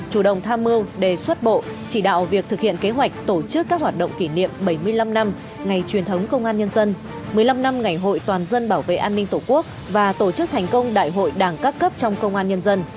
chủ động tham mưu đề xuất bộ chỉ đạo việc thực hiện kế hoạch tổ chức các hoạt động kỷ niệm bảy mươi năm năm ngày truyền thống công an nhân dân một mươi năm năm ngày hội toàn dân bảo vệ an ninh tổ quốc và tổ chức thành công đại hội đảng các cấp trong công an nhân dân